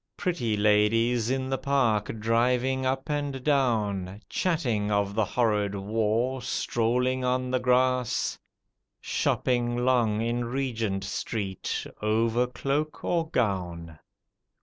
Pretty ladies in the park driving up and down, Chatting of the horrid war, strolling on the grass, Shopping long in Regent Street, over cloak or gown.